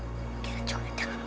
ujung sudah jadi penawan